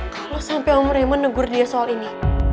kalau sampai om raymond negur dia soal ini